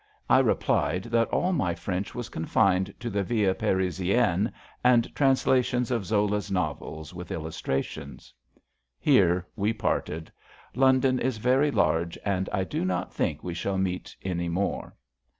I replied that all my French was confined to the Vie Parisienne and translations of Zola's novels with illustrations. Here we parted. London is very large, and I do not think we shall meet any more.